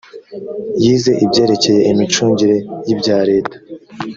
yize ibyerekeye imicungire y‘ibya leta